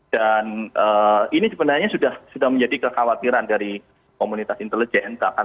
dan ini sebenarnya sudah menjadi kekhawatiran dari komunitas intelijen